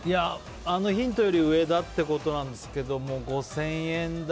あのヒントより上だってことなんですけど５０００円台。